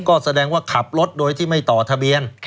ก็แสดงว่าขับรถโดยที่ไม่ต่อทะเบียน